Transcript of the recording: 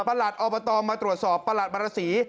ประหลัดออบตมาตรวจสอบประหลัดประศรี